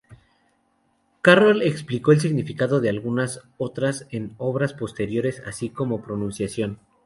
Carroll explicó el significado de algunas otras en obras posteriores, así como su pronunciación.